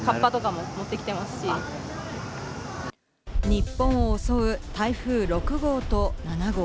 日本を襲う台風６号と７号。